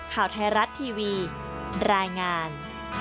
ข่าวไทยรัฐทีวีรายงาน